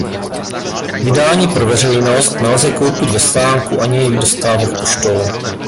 Vydání "pro veřejnost" nelze koupit ve stánku ani jej dostávat poštou.